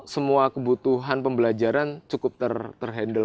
semua kebutuhan pembelajaran cukup terhandle